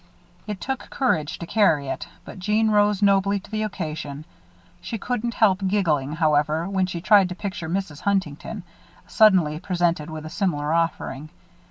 It took courage to carry it, but Jeanne rose nobly to the occasion. She couldn't help giggling, however, when she tried to picture Mrs. Huntington, suddenly presented with a similar offering.